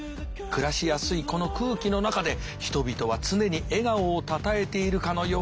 暮らしやすいこの空気の中で人々は常に笑顔をたたえているかのようであります。